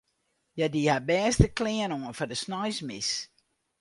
Hja die har bêste klean oan foar de sneinsmis.